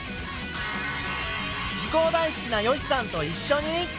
図工大好きな善しさんと一しょに。